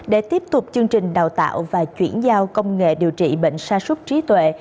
để tiếp tục chương trình đào tạo và chuyển giao công nghệ điều trị bệnh sa sút trí tuệ